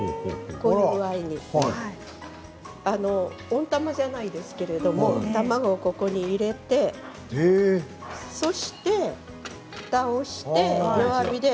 温玉じゃないですけど卵をここに入れてそして、ふたをして弱火で。